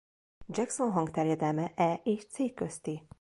Jackson hangterjedelme E és C közti.